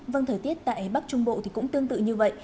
vâng thời tiết tại bắc trung bộ thì cũng tương tự như vậy